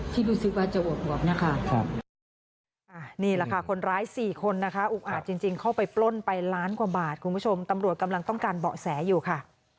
ที่รู้สึกว่าจะอวกนะคะ